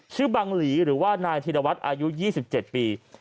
บังหลีหรือว่านายธีรวัตรอายุ๒๗ปี